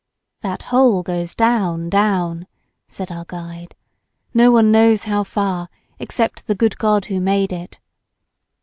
"That hole goes down, down," said our guide, "no one knows how far, except the good God who made it."